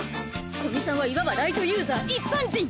古見さんはいわばライトユーザー一般人！